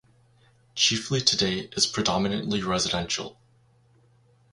Chifley today is predominantly residential.